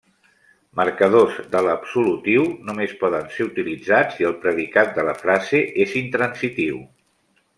Marcadors de l'absolutiu només poden ser utilitzats si el predicat de la frase és intransitiu.